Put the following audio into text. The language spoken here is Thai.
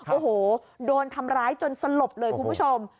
โอ้โหโดนทำร้ายจนสลบเลยคุณผู้ชม